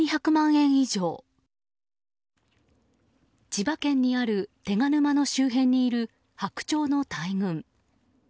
千葉にある手賀沼の周辺にいるハクチョウの大群。